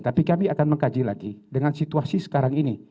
tapi kami akan mengkaji lagi dengan situasi sekarang ini